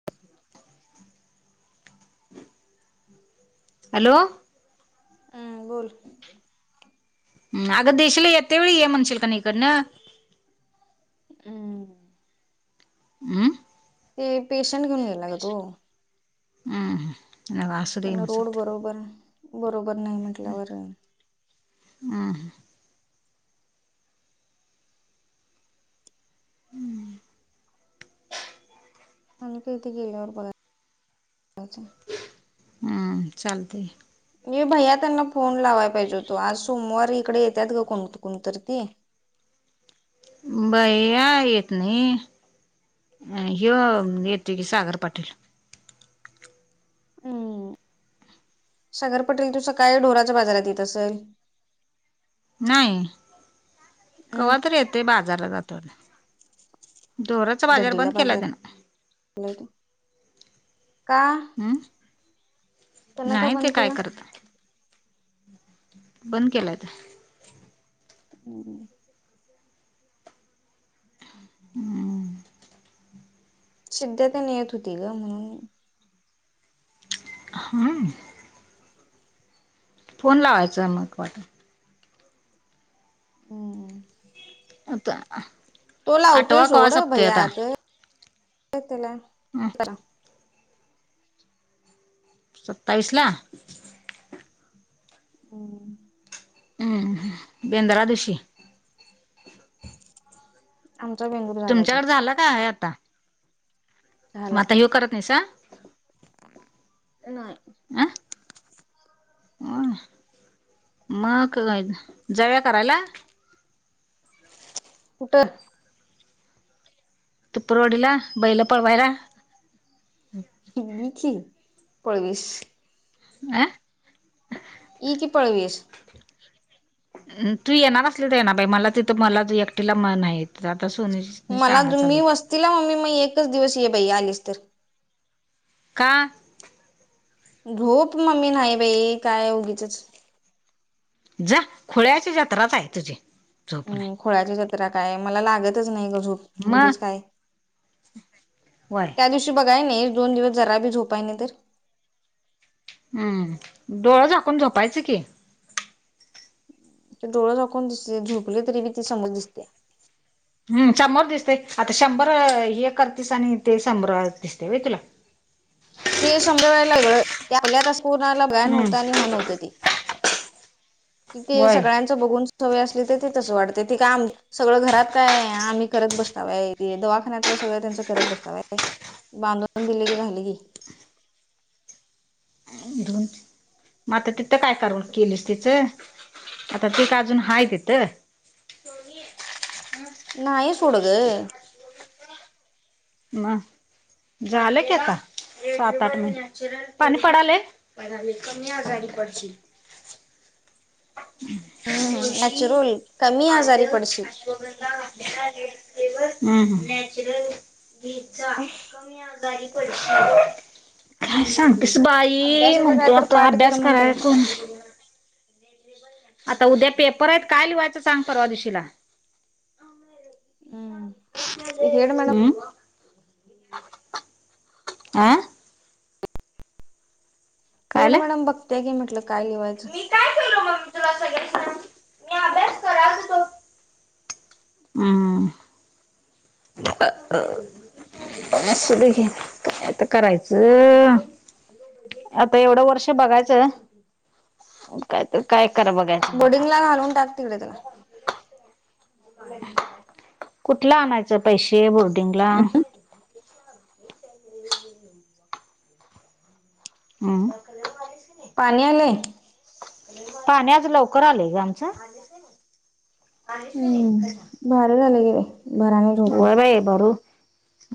ह हॅलो हम् बोल हम अग देशीलतेळी इ म्हणशील का इकड ना हम् हम्म ते पेशंट घेऊन गेला ग तो ह ह रोड बरोबर बरोबर नाही म्हटल्यावर ह हम्म आणि का इथ गेल्यावर बघा हम्म चालते मी भैया त्यांना फोन लावाय पाहिजे हो तो आज सोमवार इकडे येतात ग कोणकुणत ती बै येत नाही अ ह येते की सागर पाटील हम्म सागर पटेल तु सकाळी ढोराच्या बाजारात येत असेल नाही हम्म कवा्हा तर येते बाजारला जातो ोराचा बाजार दड्डीला बंद केला त्यान बाजारला का हम्म त्यांना का नाही ते बंद काय केला? करत बंद केलात हम [unintelligible] [inaudible] हम्म [unintelligible] [inaudible] सिध्याता न येत होती ग म्हणून हम. फोन लावायचां मग वाटत [unintelligible] [inaudible] आता तो लावतोय आठवा कवा सोड सपतोय भैया आता? [unintelligible] [inaudible] सत्तावीसला? [unintelligible] [inaudible] बेंद्र दिवशी? आमचा बेंदूर झाला की. तुमच्याकड झालं काय हाय आता? म झाला आता हो करत नाहीसा? नाही. अ हो, [unintelligible] मग जव्या करायला कुठ? तुपर वडीला, बैल पळवायला [unintelligible] की पळवीस आह इ की पळव्यियीस. तू येणार असली तर येणार बाई, मला तिथं मला तू एकटीला मन नाही. जाता सोन शाळा चालू होते. तिला मम्मी मग एकच दिवस ये बाई आलीस तर. का? झोप मम्मी नाही बाई, काय उगीचच जा खोळ्याची जत्राच आहे, तुझी झोप नाही हम् खोळ्याची जत्रा काय, मला लागतच नाही क झोप. उगीच मग काय, वय त्या दिवशी बघाय नाही दोन दिवस जरा बी झोपाय नाही ते. हम्म! डोळ झाकून झोपायचं की त डोळळे झाकून दिसते झोपले तरी बी ती समोर दिसत्या. हम् शंभर दिसतय, आता शंभर हे करतेस आणि ते शंभर दिसते होई तुला ते समजावायला लागळ आपल्या तास कोरोनाला भया हम्म नव्हतं आणि व नवतं ते. तिथ वय सगळ्यांच बघून सवय असली, तर ते तसं वाटतय ते काय आम सगळं घरात काय आम्ही करत बसतावय, दवाखान्यात काय सगळं त्यांचं करत बसतावय. बांधून दिले की झाली की रुन [unintelligible] मग आता तिथं काय करून केलीस तिचं, आता त का अजून हाय तिथं? ना सोडग मग झालं की आता, सात आठ महिने पाणी पडालय? [unintelligible] [inaudible] हम्म तुळशी, नॅचरल कमी आल आजारी पडशील [unintelligible] नॅचरल चा कमी आजारी काय सांगतीस बाई, अभ्यासाचा काय म्हणतो तर आता, पाठ कर अभ्यास म्हण कराय त्याला कोण आता उद्या पेपर आहेत, काय लिवायचं सांग परवा दिशीला हम्म ते हेड मॅडम हम. आं हेड कायलं मॅडम बघत्या घे म्हटलं काय लिवायच? मी काय केलो मम्मी तुला सगळ, मी अभ्यास करालतो. हम्म. पन्नास रुपये घे आता काय करायचं? आता एवढं वर्ष बघायचं, मग तर काय करा बघा बोर्डिंगला घालून टाक तिकडे त्याला. कुठल आणायचं पैसे बोर्डिंगला? हम्म. पाणी आलय? पाणी आज लवकर आलय ग आमचं. हम्म भारी झालं गेले भराने झोपा व्हय बई बरं.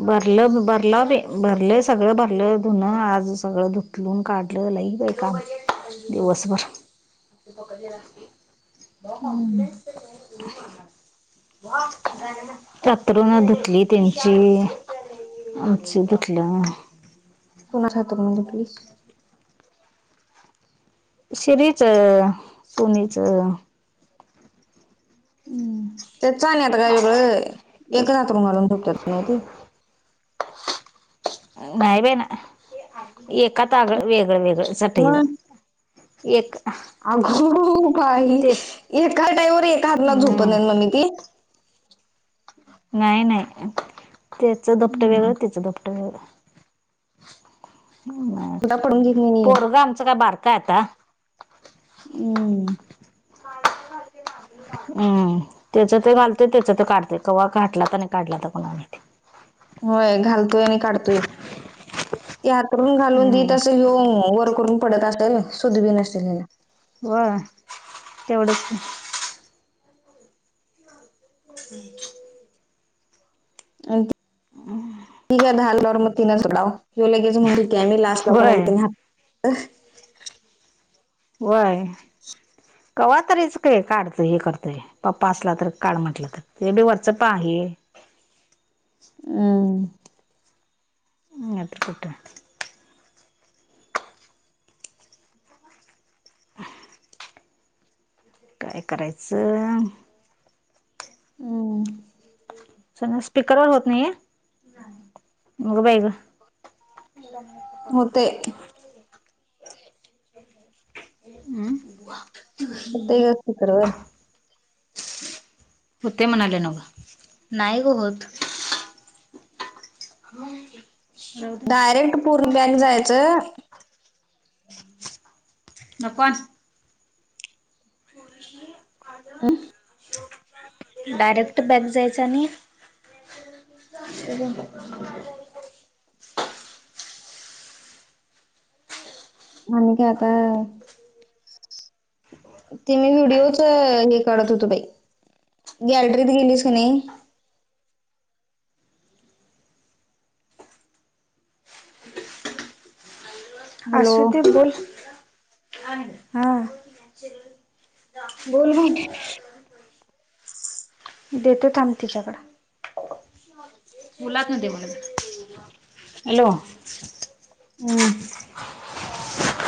भरलं भरलाव बई भरलय सगळं भरलय आज सगळ धुन धून काढलं लय बई काम दिवसभर हम्म. अंथरुण धुतली त्यांची. आमची धुतल्या. कोणाची हातरुन धुतलीस? शिरीच, सोनीचं हम्म. तेच आणि आता काय वेगळं एक हातरून घालून झोपतात नव्ह ते? नाही बई ना एकात आगळ वेगळं वेगळं चटई मग वर एक अगो बाई! तेच एका टाईवर एका हातला हम्म झोपत मम्मी ती? नाही नाही. त्याच दुपटं वेगळ, हम्म त्याच दुपटं वेगळ सुद्धा पडून घेत नाही पोरग आमचं काय बारक हाय आता? हम्म. [unintelligible] हम्म. त्याच ते घालतोय त्याच तो काढतोय कवा घाटलाता आणि काढलाता कुणाला माहित? होय. घालतोय आणि काढतोय. ते हातरून घालून देत हम्म असल ह्यो वर करून पडत असल सुधबीन नसेल ह्याला. व्हय तेवढंच की. हम्म. ठीक आहे. घाल मग तिनच लाव की लगेच म्हणूनती आहे मी लास्ट ला होय कोण व्हय. [inaudible] कवा तरीच की काढतय हे करतंय पप्पा असला, तर काड म्हटलं तर ते बी वरचं पा हे हम्म. आता कुठ? [inaudible] काय करायचं? हम्म. स्पीकर वर होत नाहीय? मग बईग. होतंय. हम्म. हुतंय ग स्पीकर वर? हुतंय म्हणाल्या नवं ग? नाही होत. म डायरेक्ट पूर्ण बॅक जायचं? नको अस मुलगी. अ डायरेक्ट बॅक जायचा आणि [inaudible] आणि कहता ते मी व्हिडिओच हे काढत होतो बाई गॅलरीत गेलीस का नाही हॅलो अससती बोल हा बोल बाई देत आम्ही तिच्याकड मुलात म बला हॅलो हम्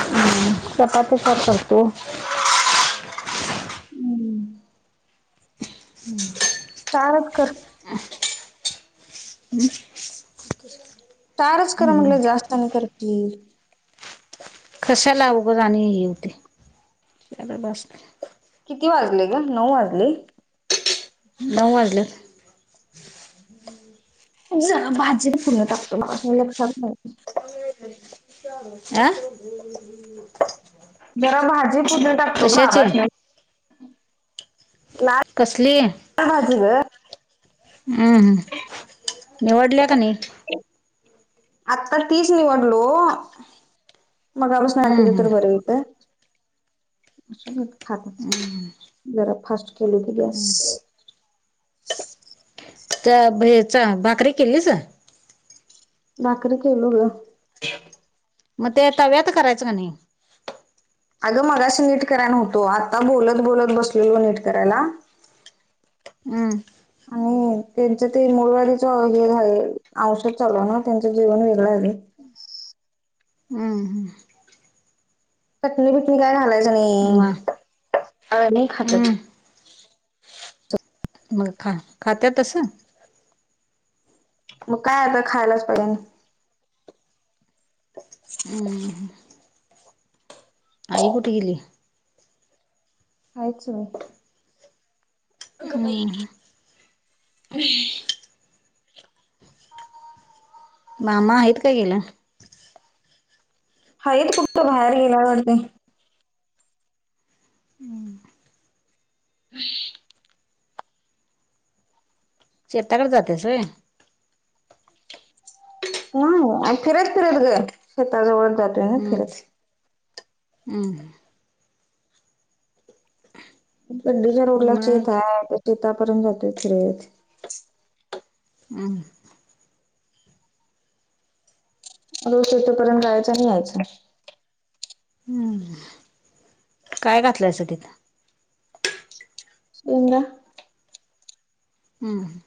हम् चपातच्याात करतो हम्म [inaudible] चारक कर तारच क म्हटलं जास्त नाही कर की कशा लावगं जाणीवती बसते किती वाजले का नऊ वाजले नऊ वाजले ज भाजी पूर्ण टाकतो मला लात आं जरा भाजी पध टाकतो कशाची बाबास्नी ना कसली हम्म ह् निवडले का न आता तीच निवडलो मगपसून हम्म काकीिचे हम्म तर बरे होत अस खात जरा फारट खेलो की बस त्या हचा भाकरी केलीच नाकरी केलं ग मग ते तव्यात करायचं का नाही अगं मगाशी नीट कराय नव्हतो आता बोलत बोलत बसलेलो नीट करायला हम् आणि त्यांच ते मुळवाडीच हे झा औषध चालू ना त्यांचं जीवन वेगळं झा हम् हम चटणी बटणी काय घालायच म आणि नाही खातच हम्म मग खा खात्या तसं मग काय आता खायलाच पाहिजे हम्म आई कुठ गली काायच म बाई हम्म मामा आहेत का गेला हाेत कुठ तं बाहेर गेल्यावरती [unintelligible] [inaudible] शचेताकडे जातेसय ह आणि फिरत फिरत ग शेताजवळ ज हम्म हम् गड्डीच्या रोडला शेत मग आहे त्या शेतापर्यंत जातो इथेत हं रोज तेथपर्यंत जायच आणि यायचं [unintelligible] काय घातलंयसाठीित सोहमला हं हं.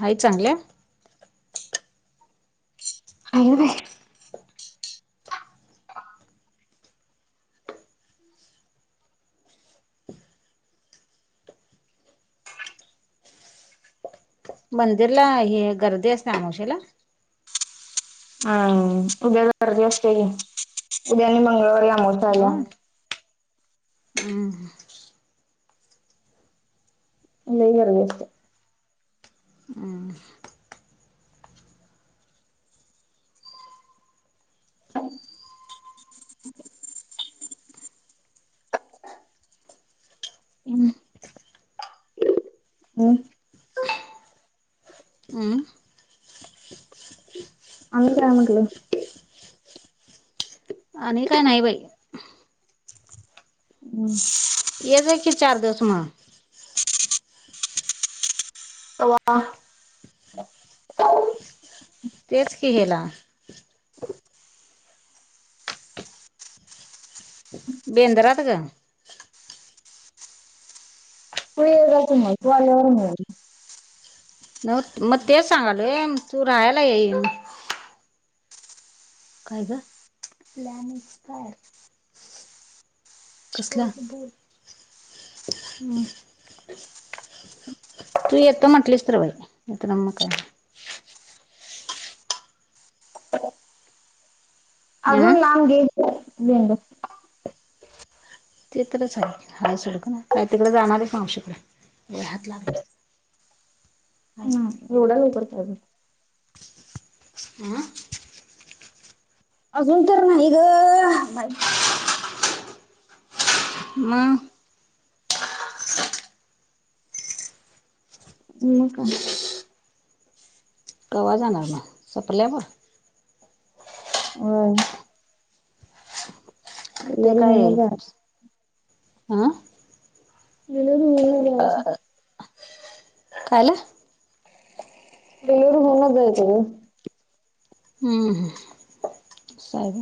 हायत चांगल्या? आहे बाय. मंदिरला हे गर्दी असते आमवशला? अं उद्या गर्दी असते. उद्या आणि मंगळवारी आमवश्या आलीया. हं हं. लई गर्दी असत्या. हं. [inaudible] हं, हम्म आणि काय म्हटलं? आणि काय नाही बाई. अं, ये गं की चार दिवस म. [inaudible] कव्हा? [inaudible] तेच कि हेला, बेंद्रात ग. तू ये जावत मग. तू आल्यावर मग. न म तेच सांगालोये तू राहायला ये. काय गं? Plan expire. कसला? हं. तू येकतं म्हटलीस तर बाई. नाही तर म काय? अं अजून लांब गे बेंद्र. ते तरच आहे. हा सडकं नाय. काय तिकडे जाणारे मावशीकड? ए हात लागलं. नाही. एवढा लवकर काय अजून अं? अजून तर नाही ग बाई. मंग? म काय? कवा जाणार म? सपल्याव? व्हय. ते डिलिव्हरी काय आहे, होऊनच जायचं हं? [unintelligible] [unintelligible] काय झालं? एवढ होऊनच जायच गं. हं हं सायब